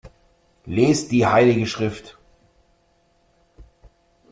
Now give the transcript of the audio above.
Lest die heilige Schrift!